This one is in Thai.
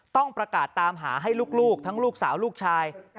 ต้องประกาศตามหาให้ลูกทั้งลูกสาวลูกชาย